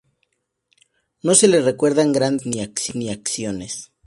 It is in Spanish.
No se le recuerdan grandes obras ni acciones.